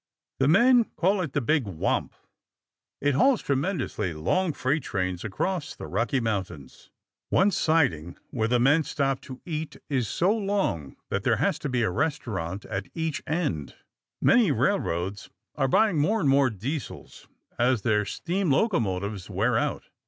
The men call it the Big Wamp. It hauls tremendously long freight trains across the Rocky Mountains. One siding where the men stop to eat is so long that there has to be a restaurant at each end! [Illustration: SANTA FE 6000 DIESEL NEW HAVEN EP 4] Many railroads are buying more and more Diesels as their steam locomotives wear out.